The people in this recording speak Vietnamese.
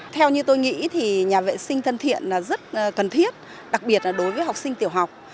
theo như tôi nghĩ thì nhà vệ sinh thân thiện là rất cần thiết đặc biệt là đối với học sinh tiểu học